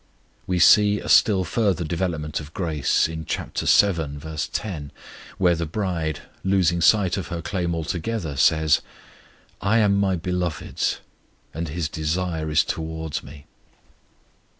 We see a still further development of grace in chap. vii. 10, where the bride, losing sight of her claim altogether, says: I am my Beloved's, And His desire is toward me.